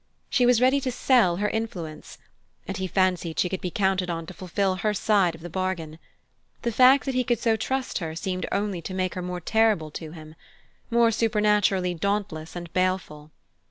She was ready to sell her influence, and he fancied she could be counted on to fulfil her side of the bargain. The fact that he could so trust her seemed only to make her more terrible to him more supernaturally dauntless and baleful.